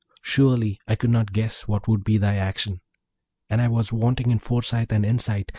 Surely I could not guess what would be thy action! and I was wanting in foresight and insight!